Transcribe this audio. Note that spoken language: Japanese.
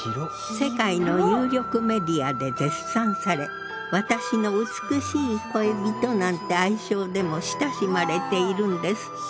世界の有力メディアで絶賛され「私の美しい恋人」なんて愛称でも親しまれているんですって。